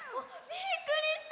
びっくりした！